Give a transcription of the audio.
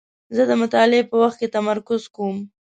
زه د مطالعې په وخت کې تمرکز کوم.